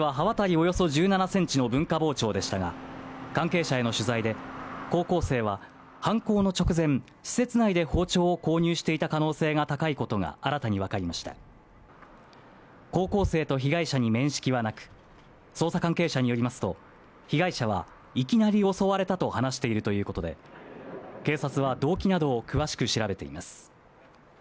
およそ１７センチの文化包丁でしたが関係者への取材で高校生は犯行の直前施設内で包丁を購入していた可能性が高いことが新たに分かりました高校生と被害者に面識はなく捜査関係者によりますと被害者はいきなり襲われたと話しているということで警察は動機などを詳しく調べています